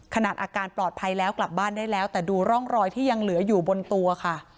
อาการปลอดภัยแล้วกลับบ้านได้แล้วแต่ดูร่องรอยที่ยังเหลืออยู่บนตัวค่ะ